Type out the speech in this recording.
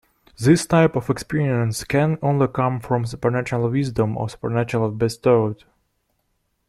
This type of experience can only come from supernatural wisdom, supernaturally bestowed.